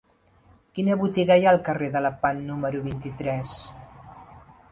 Quina botiga hi ha al carrer de Lepant número vint-i-tres?